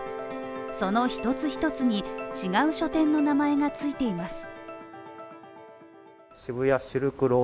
その一つ一つに、違う書店の名前がついています。